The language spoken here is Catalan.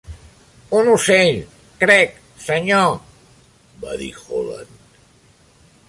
"Un ocell, crec, senyor", va dir Holland.